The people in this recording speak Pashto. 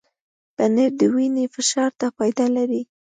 پنېر د وینې فشار ته فایده لري.